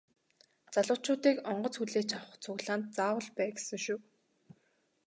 Залуучуудыг онгоц хүлээж авах цуглаанд заавал бай гэсэн шүү.